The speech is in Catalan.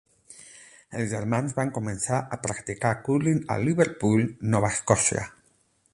Els germans van començar a practicar cúrling a Liverpool, Nova Escòcia.